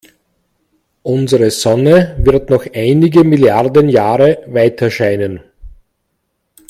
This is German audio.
Unsere Sonne wird noch einige Milliarden Jahre weiterscheinen.